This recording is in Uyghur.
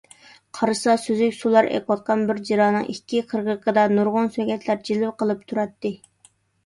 قارىسا، سۈزۈك سۇلار ئېقىۋاتقان بىر جىرانىڭ ئىككى قىرغىقىدا نۇرغۇن سۆگەتلەر جىلۋە قىلىپ تۇراتتى.